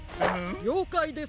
りょうかいです！